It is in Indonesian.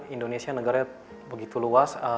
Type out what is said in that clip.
indonesia negaranya begitu luas